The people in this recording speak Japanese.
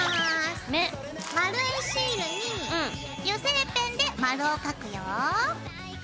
丸いシールに油性ペンで丸を描くよ。